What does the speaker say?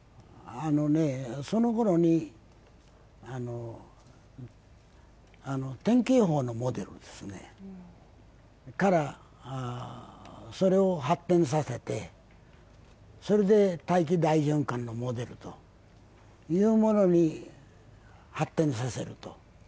そのころに天気予報のモデルからそれを発展させてそれで大気大循環のモデルというものに発展させると。